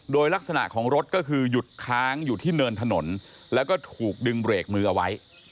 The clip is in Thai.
โดยลักษณะของรถก็คือหยุดค้างอยู่ที่เนินถนนแล้วก็ถูกดึงเบรกมือเอาไว้